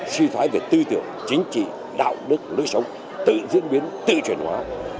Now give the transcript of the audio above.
suy thoái về tư tưởng chính trị đạo đức lối sống tự diễn biến tự truyền hóa